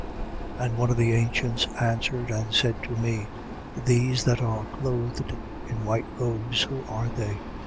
7:13. And one of the ancients answered and said to me: These that are clothed in white robes, who are they?